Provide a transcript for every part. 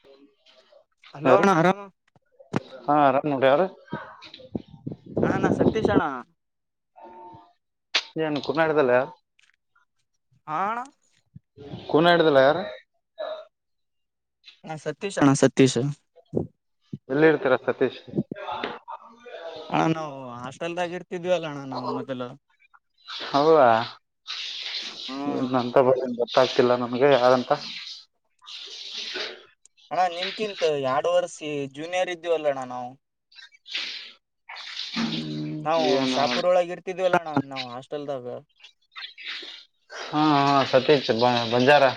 ಬನ್ನಿ ಹಲೋ ನಾರಾಮ ಹಲೋ ಯಾರ ಹಾ ಅಣ್ಣಾ ಸತೀಶ ಅಣ್ಣಾ ಹೇ ಅಣ್ಣ ಕುಂಟರ್ಬಾದ ಹ ಹೂಗಾಡಿದ್ರಲ್ಲ ಯಾರ ಅಣ್ಣಾ ಸತೀಶ ಅಣ್ಣಾ ಸತೀಶ ಎಲ್ಲಿ ಇರ್ತಾರ ಸತೀಶ ಅಣ್ಣಾ ನಾವು ಹಾಸ್ಟೆಲ್ದಾಗಿ ಇರ್ತಿದ್ವಿ ಅಲ್ಲ ಅಣ್ಣಾ ನಾವು ಮೊದಲು ಹೌದಾ ಹೂ ಏನಂತ ಬರೋದು ಗೊತ್ತಾಗ್ತಿಲ್ಲ ನಿಮಗೆ ಯಾರು ಅಂತ ಅಣ್ಣ ನಿಮಗಿಂತ ಎರಡು ವರ್ಷ ಜೂನಿಯರ್ ಇದ್ವಿ ಅಣ್ಣ ಅಲ್ಲ ನಾವು ಹ್ಮ್, ನಾವು ಏನು ಶಾಪೂರ ಒಳಗ ಇರ್ತಿದ್ವಲ್ಲಣ್ಣ ನಾವ್ ಹಾಸ್ಟೆಲ್ದಾಗ ಹಾ ಹಾ ಸತೀಶ್ ಬ ಬಂಜಾರಾ.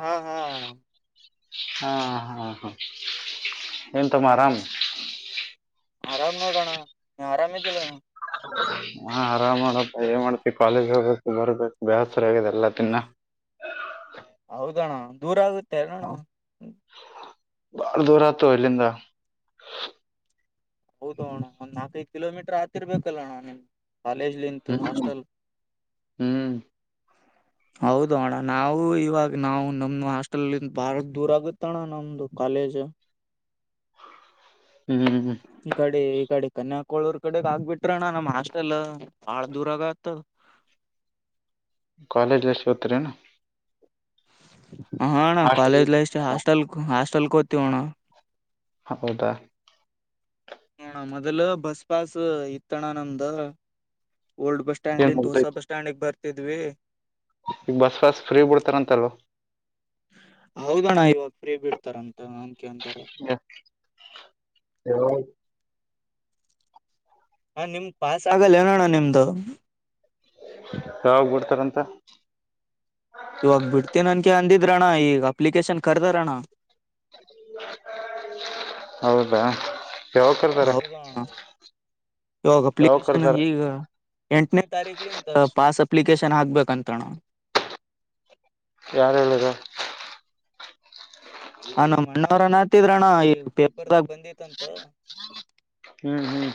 ಹಾ ಹಾ ಅಣ್ಣಾ ಹಾ ಹಾ ಹಾ ಎನು ತ ಮಾಡರ ಆಮ ಆರಾಮ ನೋಡೋಣ ನೀ ಆರಾಮ ಇದ್ದಿಲ್ಲಣ್ಣ. ಹಾ ಆರಾಮ್ ಮಾಡಪ್ಪ ಏನ್ ಮಾಡ್ತಿ ಕಾಲೇಜ ಹೋಗಬೇಕು ಬರ್ಬೇಕು ಬೇಸರ ಆಗಿದೆ ಎಲ್ಲಾ ತಿನ್ನ ಹೌದ ಅಣ್ಣಾ ದೂರ ಆಗುತ್ತ ಶರಣ ಅಣ್ಣ ಬಾಳ ದೂರ ಆತ ಇಲ್ಲಿಂದ. ಹೌದ ಅಣ್ಣ ಒಂದ್ ನಾಲ್ಕೈದು ಕಿಲೋಮೀಟರ್ ಆಗ್ತಿರ್ಬೇಕಲ್ಲ ಅಣ್ಣ ನಿಮ್ಗೆ ಕಾಲೇಜಿಂದ ಹ್ಮ್ ಹಾಸ್ಟೆಲ್ ಹ್ಮ್ ಹೌದ ಅಣ್ಣ ನಾವು ಇವಾಗ ನಾವು ನಮ್ದ ಹಾಸ್ಟೆಲಯಿಂದ ಬಾಳ ದೂರ ಆಗುತ್ತ ಅಣ್ಣ ನಮ್ದು ಕಾಲೇಜ್ ಹ್ಮ್ ಇ ಕಡೆ ಇ ಕಡೆ ಕನ್ಯಾಕಳೂರ್ ಕಡೆಗ್ ಆಗ್ಬಿಟ್ರಣ್ಣ ನಮ್ಮ್ ಹಷ್ಟೆಲ್ಲ ಬಾಳ ದೂರಗತ್. College A ಸೋತ್ರಿನಾ. ಹಣ ಕಾಲೇಜ್ ಲೈಫ್ಹಾಸ್ಟೆಲ್ ಹಾಸ್ ಚಲ್ಕೋತಿ ಹೋಣ. ಹೌದಾ. ಹಣ ಮೊದಲು ಬಸ್ ಪಾಸ್ ಇತ್ತಣ ನಮ್ದ್ ಓಡ್ಸ್ ಸ್ಯಾಂಡ್ ಏನ್ ಇಂತ ಹೊಸ ಮುಗ್ದೈತಿ ಬಸ್ ಸ್ಟ್ಯಾಂಡ್ ಬರ್. ತಿದ್ವಿ ಈಗ ಬಸ್ ವಾಸ್ ಫ್ರೀ ಬಿಡ್ತಾರಂತಲ್ವ ಹೌದಣ್ಣ ಇವಾಗ ಫೀ ಬಿಡ್ತಾರಂತ ಅನ್ಕ ಅಂತಾರ ಹ ಹವ ಹ ನಿಮ್ದ ಪಾಸ್ ಆಗಲ್ಲಏನಣ್ಣ ನಿಮ್ದು ಯಾವಾಗ್ ಬಿಡ್ತಾರಂತ ಇದ್ರಣ್ಣ ಈಗ ಅಪ್ಲಿಕೇಶನ್ ಕರ್ದಾರಣ್ಣ ಹೌದಾ ಯಾವಾಗ ಕರ್ದಾರ ಹೌದಣ ಇಗ ಯಾವಾಗ ಅಪ್ಲಿಕೇಶನ್ ಕರ್ದಾರ ಈಗ ಎಂಟನೇ ತಾರೀಕಲಿಂತ ಪಾಸ್ ಅಪ್ಲಿಕೇಶನ್ ಹಾಕ್ಬೇಕಂತಣ್ಣ ಯಾರು ಹೇಳಿದು ಹಮ್ ನಮ್ಮ ಅಣ್ಣಾವ್ರು ದ್ರಣ ಪೇಪರ್ದಾಗ ಬಂದಿಂತ ತ್ತ ಹ್ಮ್ ಹ್ಮ್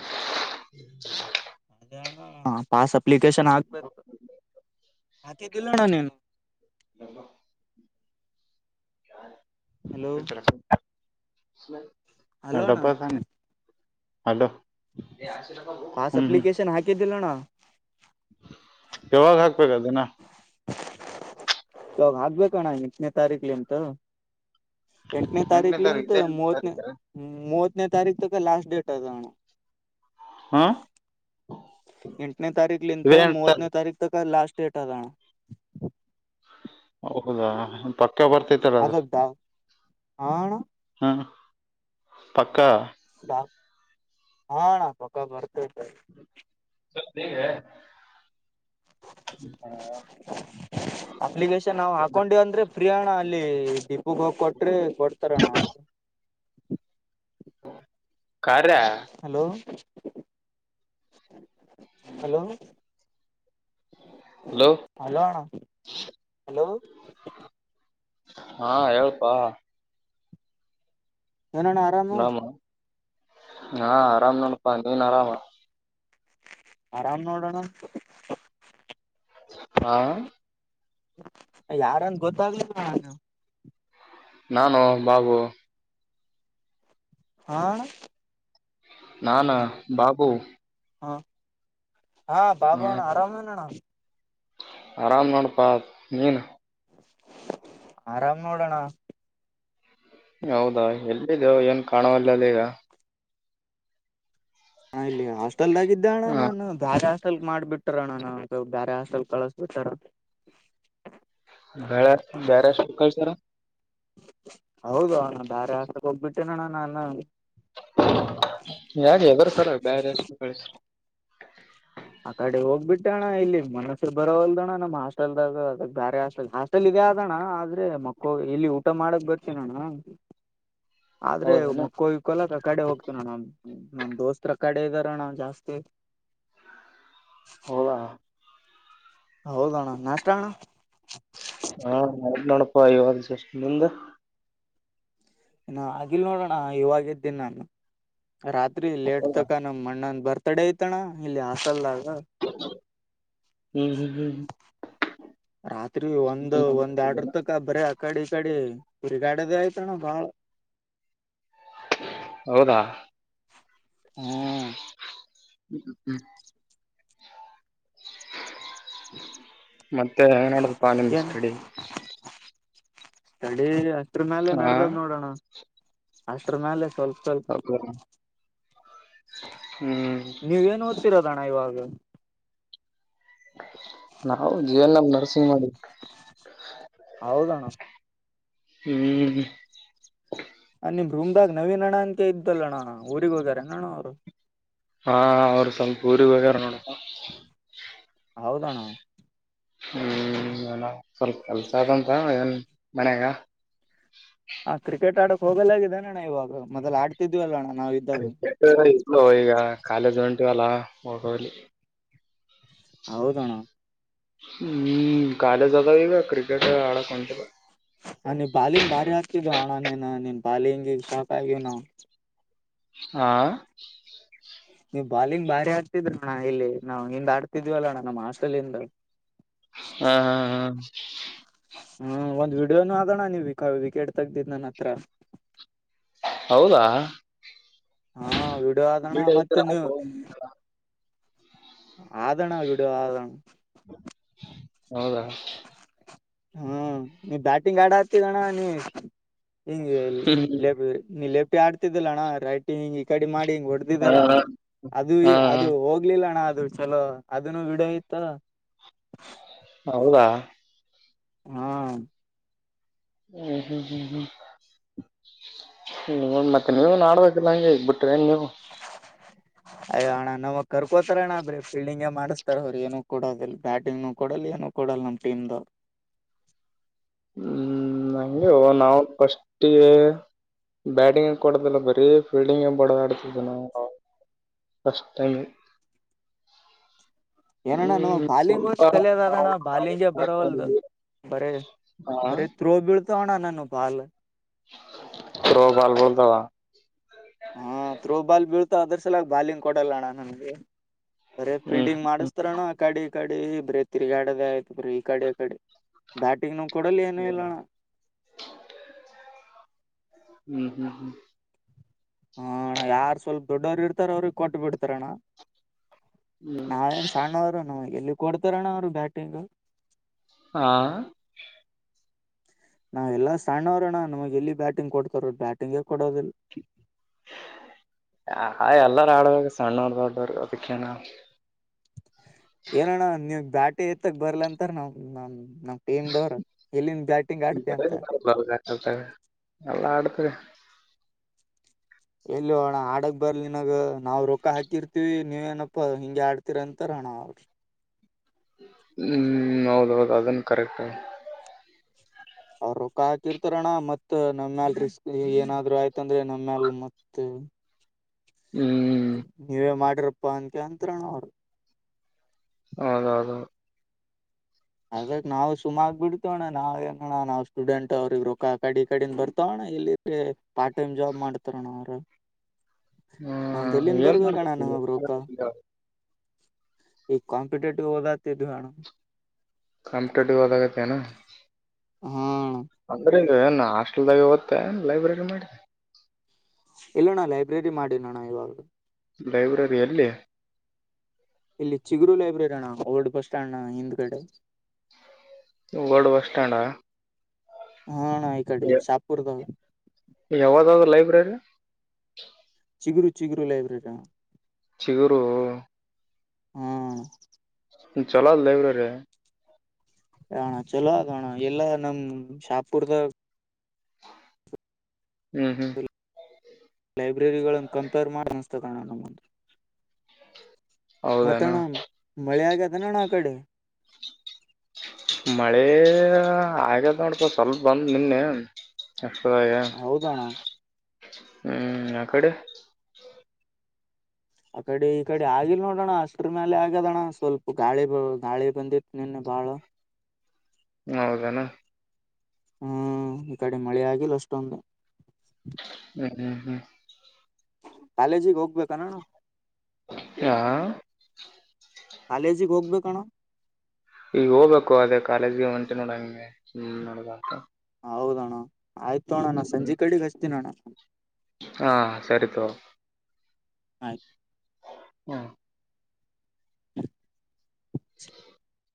ಪಾಸ್ [inaudible] ಅಪ್ಲಿಕೇಶನ್ ಹಾಕ್ಬೇಕು ಹಾಕಿದ್ದಿಲ್ಲಣ್ಣ ನೀನು [inaudible] ಸ ಹಲೋ [unintelligible] ಹಲೋಣ್ಣ ಹಲೋ ಪಾಸ್ ಹ್ಮ್ ಹ್ಮ್ ಅಪ್ಲಿಕೇಶನ್ ಹಾಕಿದ್ದಿಲ್ಲಣ್ಣ ಯಾವಾಗ ಹಾಕ್ಬೇಕ ಅದಿನ ಇಾಗ ಹಗ್ಬೇಕಣ್ಣ ಎಂಟನೇ ತಾರೀಕ್ಲಿಂತ ಎಂಟನೇ ತಾರೀಕು ತಾರಖಲ್ಲಿಂತ ಇದೆ ಎಂಟನೇ ಮೂವತ್ನ ತಾರೀಕು ಮೂವತ್ ಇನೆ ತಾರಖ ತ ಲಾಸ್ಟ್ ಟ್ ಡೇಟ್ ಅದಾ ಅಣ್ಣ ಹಾ ಇಂಟನೆ ತಾರ ಇದೇ ಲಂತಂತ ಎಂಟು ಮೂವತ್ತನ ತಾರಖ ತ ಲಾಸ್ಟ್ ಡೇಟ್ ಅದಾ ಅಣ್ಣಾ ಹೌದಾ ಚಕ್ಕ ಬರ್ತೈತರ ಅ ಆಣ್ಣ್ [unintelligible] ಪಕ್ಕಾ ಹ ಅಣ ಪಕ್ಕ ಬರ್ [unintelligible] ಈಗ ಅಪ್ಲಿಕೇಶನ್ ನಾವು ಹಾಕೊಂಡಿವಿ ಅಂದ್ರೆ ಪ್ರಿಯಣ ಅಲ್ಲಿ ಡೀಪುಗ್ ಹೋಗಿ ಕೊಟ್ರೆ ಕೊಡ್ತಾರಣ ಅವ್ರು ಕಾರ್ಯಾ [unintelligible] ಹಲೋ ಹಲೋ ಹಲೋ ಅಣ, ಹಲೋ ಹಾ ಹೇಳ್ಪಾ ಏನಣ್ಣ ಆರಾಮ ನಾಮ ಹಾ ಆರಾಮ್ ನೋ ಪ್ಪ ನೀನ್ ಆರಾಮ ಆರಾಮ್ ನೋಡೋಣ ಹಾ ಯಾರಂದ್ ಗೊತ್ತಾಗ್ಲಿಲ್ಲಾಣ ನಾನೊ ಬಾಬು ಹಾ ನಾ ನ ಬಾಬೂ ಹಾ ಹಾ ಬಾಬು ಅಣ ಆರಾಮೇನಣ ಆರಾಮ್ ನೊಡಪಾ ನೀನು ಆರಾಮ ನೋಡೋಣ ಹೌದಾ ಎಲ್ಲಿದಿಯೊ ಏನ್ ಕಾಣುವಲ್ಲಲ ಈಗ ಹ ಇಲ್ಲಿ ಹಾಸ್ಟೆಲ್ದಾಗಿದ್ದ ಅಣ್ಣ ಹ ನಾನು ದ್ವಾಷ್ ಟ್ಟಲ್ ಮಾಡ್ಬಿಟಾರಣ ನಮ್ದ್ ಬ್ಯಾರೆ ಹಾಸ್ಟಲ್ ಕಳಸ್ ಬಿಟ್ ಟ್ರಣ ಬೇಳೆ ಬೇರೆ ಹಾಸ್ಟೆಲ್ ಕಳಿಸ್ದ್ರಾ ಹೌದು ಅಣ ಬ್ಯಾರೆ ಹಾಸ್ಟೆಲ್ ಹೋಗ್ಬಿಟ್ಟೇನೋಣ್ಣ ನಾನ [unintelligible] ಯಾಕೆ ಯದ್ರ್ ಸಲ್ವಾಗಿ ಬ್ಯಾರೆ ಹಾಸ್ಟೆಲ್ ಕಳ್ಸ್ ಆ ಕಡೆ ಹೋಗ್ಬಿಟ್ಟಣ್ಣ ಇಲ್ಲಿ ಮನಸ್ಸು ಬರೋ ವಲ್ದಣ್ಣ ನಮ್ ಹಾಸ್ಟೆಲ್ದಾಗ ಅದಾಗ್ ಬೇರೆ ಹಸ್ಟೆಲ್, ಹಾಸ್ಟೆಲ್ ಇದೆ ಆದಣ್ಣ ಆದ್ರೆ ಮಕ್ಕೋ, ಇಲ್ಲಿ ಊಟ ಮಾಡಕ್ ಬರ್ತೀನಣ್ಣ ಆದ್ರೆ ಹೌದನಾ ಮಕ್ಕೋ ಇಕೋಲಕ್ ಆ ಕಡೆ ಹೋಗ್ತೀನಣ, ನಮ್ ದೋಸ್ತತ್ರ ಕಡೆಗರಣ ಜಾಸ್ತಿ ಹೌದಾ ಹೌದಣ ನಾಷ್ಟ ಅಣ ಹಾಯವದು ಸಷ್ಟ ನಿಂದ್ ಇನ ಆಗಿಲ್ ನೋಡೋಣ ಇವಾಗ ಯದ್ದೀನಿ ನಾನು ರತ್ರಿ ಲೇಟ್ ಹೌದಾ ತಕ ನ ಮಣ್ಣನ್ ಬರ್ ತಡೆ ಐತಣ್ಣ ಇಲ್ಲಿ ಹಾಸ್ಟೆಲ್ದಾಗ. ಹ್ಮ್ ಹ್ಮ್ ಹ್ಮ್ ಹ್ಮ. ರಾತ್ರಿ ಒಂದ್ ಒಂದ್ ಎರಡು ತಾಕ - ಕಡಿ ಕಡೆ ತಿರಿಗಿ ಆಡೋದು ಆಯ್ತಣ ಬಾಳ. ಹೌದಾ. ಹ್ಮ್. ಹ್ಮ್ ಹ್ಮ್. [unintelligible] ಮತ್ತೆ ಹೆಂಗ್ ನಡೆದಪ್ಪ ನಿಂದು ಏನ್ ಸ್ಟಡಿ. ಸ್ಟಡಿ. ಇದ್ರ ಮೇಾಲ ಹಾ ನಡ್ದದ್ ನೋಡೋಣ ಅಷ್ಟ್ರ ಮೇಲೆ ಸ್ವಲ್ಪ. ಸ್ವಲ್ಪ ಹೌ. [inaudible] ನೀವ ಏನು ಓದ್ತಿರೋದಣ ಇವಾಗ. ನಾವು ಜೀವನ ಜಿಏನ್ಎಂ ನರ್ಸಿಂಗ್ ಮಾಡಿದಿವಿ. ಹೌದಣ. ಹ್ಮ್. ನಿಮ್ ರೂಮದಾಗ ನವೀನ್ ಅಣ್ಣ ಅಂತ ಇದ್ದಲ್ಲ ಅಣ್ಣ ಊರಿಗೆ ಹೋಗ್ಯಾರ ಏನ್ ಅಣ್ಣ ಅವ್ರು. ಹಾ ಅವ್ರ ಸಂಪೂರಿ ಇದ್ರ್ ನೋಡ ಹೌದಣ. ಹ್ಮ್ ಸ್ವಲ್ಪ ಕೆಲ್ಸ ಆದ ಅಂತ ಎನ್ ಮನ್ಯಾಗ. ಹಾ ಕ್ರಿಕೆಟ್ ಆಡಕ್. ಹೋಗಲ್ಲಾಗಿದೆ ಅಣ್ಣ ಇವಾಗ ಮೊದ್ಲು ಆಡ್ತಿದ್ವ ಅಲ್ಲ ಅಣ್ಣ. ಕ್ರಿಕೆಟ್ ಎಲ್ಲೋ ಈಗ. ಕಾಲೇಜ್ ಒಂಟಿವಲ್ಲ ಹೋಗೋಒಲವಿ. ಹೌದಣ್ಣ. ಹ್ಮ್ ಕಾಲೇಜ ಅದವೀಗ ಕ್ರಿಕೆಟ್ ಆಡೋಕೆ ಹೋಂಟಿಲ್ಲ. ಹ ನೀವ್ ಬಾಲಿಂಗ್ ಬಾರಿ ಹಾಕ್ತಿದ್ ಅಣ್ಣ ನೀನ್ ನಿನ್ ನಿಮ್ ಬಾಲಿಂಗಿಗೆ ಶಾಕ್ ಆಗಿವಿ ನಾವು. ಹಾ. ನೀವ ಬಾಲಿಂಗ್ ಬಾರಿ ಹಾಕ್ತಿದ್ರಿಲ್ಲ ಅಣ್ಣ ಇಲ್ಲಿ ನಾವು ಹಿಂದ ಆಡ್ತಿದೀವಲ್ಲ ಅಣ್ಣ ನಮ್ಮ್ ಹಾಸ್ಟೆಲ್ಇಂದ. ಹಾ ಹಾ ಹ್ಮ್. ಹ್ಮ ಒಂದ್ ವಿಡಿಯೋನು ಆದಣ್ಣ ನೀವ್- ವಿಕೆಟ್ ತೆಗೆದಿದ್ದು ನನ್ ಹತ್ರ. ಹೌದಾ. ಹಾ ವೀಡಿಯೊ ಆದ ಮತ್ತೆ ನೀವು. ಆದ ಅಣ್ಣ ವೀಡಿಯೊ ಆದ. ಹೌದಾ ಹ್ಮ್ ನೀ ಬ್ಯಾಟಿಂಗ್ ಆಡ ಹೊತ್ತಿಗಣ ನೀ ಹಿಂಗೆ ಹ್ಮ್ ಲೇಪಿ ನೀ ಲೇಪಿ ಆಡ್ತಿದ್ ಈಲ್ಲಣ ರೈಟಿಂಗ್ ಈ ಕಡಿ ಮಾಡಿ. ಇಂಗ್ ಹಾ ಹೊಡೆಡ್ದಿದಲ್ಲಣ ಅದು ಹಾ ಅದು ಹೋಗ್ಲಿಲ್ಲಣ್ಣ ಅ ಅದು ಚಲೋ ಅದನ್ನು ವೀಡಿಯೊ ಇತ್ತ. [inaudible] ಹೌದಾ ಹಾ. ಹ್ಮ್ ಹ್ಮ್ ಹ್ಮ್ ಹ್ಮ್ ಹ್ಮ ಮತ್ತೆ ನೀವ ಮಾಡ್ಬೇಕಲ್ಲ ಹಂಗೆ ಇದ್ದ್ ಬಿಟ್ರೆನ್ ನೀವು? ಅಯ್ಯ ಅಣ್ಣ ನಮಗ್ ಕರ್ಕೋತಾರ ಅಣ ಬ್ರೆ ಫೀಲ್ಡಿಂಗ ಮಾಡಸ್ತಾರ ಅವ್ರ ಏನ ಕೊಡೋದಿಲ್ಲ ಬ್ಯಾಟಿಂಗ್ ನು ಕೊಡಲ್ಲ ಏನು ಕೊಡಲ್ಲ ನಮ್ ಟೀಮ್ ದು. ಹ್ಮ್ ನಂಗೆ ನಾವು ಫಸ್ಟೇ ಬ್ಯಾಟಿಂಗೆನ್ ಕೊಡದಿಲ್ಲ ಬರೀ ಫೀಲ್ಡಿಂಗೆ ಬಡದ್ ಆಡ್ತಿದ್ವು ನಾವು ಆವಾಗ. ಫಸ್ಟ್ ಟೈಮೆ ಏನಣ್ಣ ನಾವ ಬಾಲಿಂಗ್ ವಷ್ ಕಲಿಯೋದ ಅದಣ್ಣ ಬಾಲಿಂಗೆ ಬರವಲ್ದು ನಾವು ಬರೆ ಹಾ ಬರೆ ತ್ರೋ ಬೀಳ್ ತ್ತೋಣ ನನುವು ಪಾಲು ತ್ರೋಬಾಲ್ ಬಂದವ ಹಾ ತ್ರೋಬಾಲ್ ಬೀ ತ್ತ ಅದ್ರ ಸಲೆಗ್ ಬಾಲಿಂಗ್ ಕೊಡಲ್ಲಣ್ಣ ನನ್ಗೆ. ಬರೆ ಹ್ಮ್ ಫೀಲ್ಡಿಂಗ್ ಹ್ಮ್ ಮಾಡಿಸ್ತಾರಣ ಅಕಡಿ. ಅಕಡಿ ಬರಿ ತಿರುಗಾಡದೆ ಆಯ್ತು ಬರೀ ಇಕಡಿ ಆಕಡಿ. ಬ್ಯಾಟಿಂಗ್ ನ ಕೊಡಲ್ಲ ಏನು ಇಲ್ಲಣ. ಹ್ಮ್ ಹ್ಮ್ ಹ್ಮ್ ಹ ಅಣ ಯಾರ್ ಸ್ವಲ್ಪ ದೊಡ್ಡವ್ರರು ಇರ್ತರ ಅವ್ರಿಗ್ ಕೊಟ್ಟ ಬಿಡ್ತರಣ. [unintelligible] ಹ್ಮ್ ನಾವೇನ್ ಸಣ್ಣವರು ನಮಗೆಲ್ಲಿ ಕೊಡ್ತರಣ ಅವ್ರು ಬ್ಯಾಟಿಂಗು ಹಾ ನಾವ್ ಎಲ್ಲಾ ಸಣ್ಣವ್ರಣ ನಮಗೆಲ್ಲಿ ಬ್ಯಾಟಿಂಗ್ ಕೊಡ್ತರ ಬ್ಯಾಟಿಂಗೆ ಕೊಡದಿಲ್ [unintelligible] ಆ ಎಲ್ಲಾರ ಆಡ್ಬೆಕ್ ಸಣ್ಣವ್ರು ದೊಡ್ಡೂರ್ ಅದಕ್ಕೆನಾದ. ಏನೋಣ ನೀವ್ ಬ್ಯಾಟೆ ಎತ್ತಕ್ ಬರ್ಲಂತರ ನಾನ್ ನ ಆಡ್ತಿ ಅಂತ [unintelligible] ಅಲ್ಲ ಆಡ್ ತರ ಎಲ್ಲಿ ಹೋಗಣ ಆಡಕ್ ಬರ್ಲಿನಾಗ ನಾವ್ ರೊಕ್ಕ ಹಾಕಿರ್ತಿವಿ ನೀವೇನಪ್ಪಾ ಹಿಂಗೆ ಆಡ್ತಿರ ಅಂತಾರ ಅಣಾ ಅವ್ರ್. ಹ್ಮೂ ಹೌದೌದು ಅದೇನ್ ಕರೆಕ್ಟ. ಅವ್ರ್ ರೊಕ್ಕ ಹಾಕಿರ್ತಾರಣ್ಣ ಮತ್ ನಮ್ಯಾಲ್ ರಿಸ್ಕ್ ಏನಾದ್ರು ಆಯ್ತಂದ್ರೆ ನಮ್ಯಾಲ್ ಮತ್ ಹ್ಮ್ ನೀವೇ ಮಾಡ್ರಪ್ ಪಂತ್ಯಂತರಣ ಅವ್ರು. ಹೌದೌದು. ಅದಕ ನಾವು ಸುಮ ಆಗ್ ಬಿಡ್ತವಣ್ಣ ನಾವೆನಣ್ಣಾ ನಾವ್ ಸ್ಟೂಡೆಂಟ್ ಅವ್ರಿಗೆ ರೊಕ್ಕ ಅಕಡಿ ಈಕಡಿಂದ ಬರ್ತವಣ್ಣ ಇಲ್ಲಿ ಪೆ ಪಾರ್ಟ್ ಟೈಮ್ ಜಾಬ್ ಮಾಡ್ತಾರಣ್ಣ ಅವ್ರ ಹ್ಮ್ ಏನ ಮಾಡತಿ [unintelligible] ಹೇಳ್ ಈ ಕಾಂಪಿಟೇಟಿವ್ ಓದಾತಿದ್ವಿ ಅಣ್ಣ ಕಾಂಪಿಟೇಟಿವ್ ಓದಾಗತಿ ಏನ ಹಾ ಅಣ್ಣಾ ಅದಕ್ ಈಗ ಎನ್ ಹಾಸ್ಟೆಲ್ದಾಗೆ ಒತ್ಯ ಎನ್ ಲೈಬ್ರರಿ ಮಾಡಿ ಇಲ್ಲಣ್ಣ ಲೈಬ್ರರಿ ಮಾಡಿನಿ ಅಣ್ಣಾ ಇವಾಗ ಲೈಬ್ರರಿ ಏಲ್ಲಿ ಇಲ್ಲಿ ಚಿಗರು ಲೈಬ್ರರಿ ಅಣ್ಣ ಓಲ್ಡ್ ಬಸ್ ಸ್ಟ್ಯಾಂಡ್ನಾ ಹಿಂದ್ಗಡೆ ಓಲ್ಡ್ ಬಸ್ ಸ್ಟ್ಯಾಂಡಾ ಹಾ ಅಣ್ಣ ಈ ಕಡೆ ಯ ಶಾಪುರ್ದಾಗ ಯಾವದದಾ ಲೈಬ್ರರಿ ಚಿಗುರು ಚಿಗುರು ಲೈಬ್ರರಿ ಅಣ್ಣಾ ಚಿಗುರು ಹ್ಮ್ ಚಲೋ ಅದ ಲೈಬ್ರರಿ ಏ ಅಣ್ಣಾ ಚಲೋ ಅದೋ ಅಣ್ಣಾ ಎಲ್ಲಾ ನಮ್ ಶಾಪುರ್ದ ಹ್ಮ್ ಹ್ಮ್ ಲೈಬ್ರರಿಗಳನ್ನ ಕಂಪೇರ್ ಮಾಡಅನಸ್ತದ ಅಣ್ಣಾ ನಮಗ್ ಹೌದೇನ ಮತ್ತಣ ಮಳೆ ಆಗ್ಯತ್ ಅದೆಣ್ಣಾ ಆಕಡಿ ಮಳಿ ಆಗ್ಯದ ನೋಡ್ ಸ್ವಲ್ಪ ಬಂತ್ ನಿನ್ನೆ ಅಪ್ಪಾಯ ಹೌದಣ್ಣ ಹ್ಮ್ ಅ ಕಡೆ ಆ ಕಡಿ ಇಕಡಿ ಆಗಿಲ್ಲ ನೋಡ್ ಅಣ್ಣಾ ಅಷ್ಟರ ಮ್ಯಾಲೆ ಆಗ್ಯದಣ್ಣ ಸ್ವಲ್ಪ ಗಾಳಿ ಬಿಳ ಗಾಳಿ ಬಂದಿತ್ತ ನಿನ್ನ ಬಾಳ ಹೌದೆನಾ ಹ್ಮ್ ಈ ಕಡಿ ಮಳಿ ಆಗಿಲ್ಲ ಅಷ್ಟೊಂದು ಹ್ಮ್ ಹ್ಮ್ ಹ್ಮ್ ಕಾಲೇಜಿಗ ಹೋಗ್ ಹಾ [inaudible] ಕಾಲೇಜಿಗ ಹೋಗ್ಬೇಕಣ ಈಗ ಹೊಬೇಕೊ ಅದೇ ಕಾಲೇಜ್ಗೆ ಹೊಂಟಿನ ನೋಡ ಹಂಗೆ ನಡಗಂಟಾ ಹೌದಣ ಆಯ್ತೋಣ ನಾ ಹ್ಮ್ ಸಂಜಿ ಕಡಿಗ್ ಹಚತೀನಿ ಅಣ್ಣಾ ಹಾ ಸರಿ ತೊ ಆಯ್ತ ಹಾ [inaudible]